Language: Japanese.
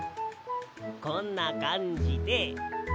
こんなかんじで。